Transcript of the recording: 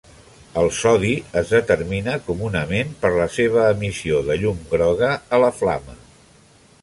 El sodi es determina comunament per la seva emissió de llum groga a la flama.